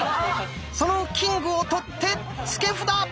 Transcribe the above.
そのキングを取って付け札！